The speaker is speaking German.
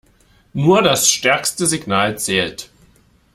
Nur das stärkste Signal zählt.